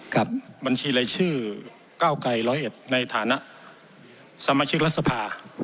ครับบัญชีรายชื่อเก้าไกรฟิศในฐานะสำหรัฐสมัครทรีย์ระสบา